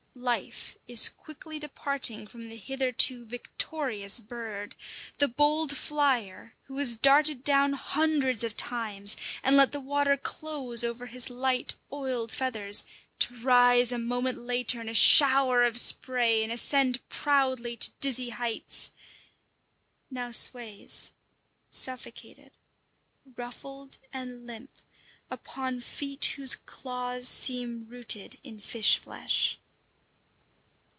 Life is quickly departing from the hitherto victorious bird; the bold flyer, who has darted down hundreds of times and let the water close over his light, oiled feathers, to rise a moment later in a shower of spray and ascend proudly to dizzy heights, now sways, suffocated, ruffled and limp, upon feet whose claws seem rooted in fish flesh.